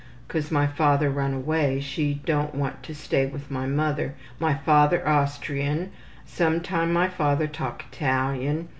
Cause my father run away, she don't want to stay with my mother. My father Austrian. Sometime my father talk Italian.